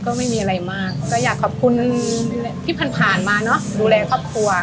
ก็ไม่มีอะไรมากก็อยากขอบคุณที่ผ่านมาเนอะดูแลครอบครัว